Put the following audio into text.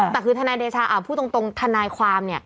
แต่คือฐานายเดชาพูดตรงฐานายความเนี่ย